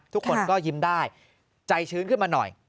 ทุกคนก็ยิ้มได้ใจชื้นขึ้นมาหน่อย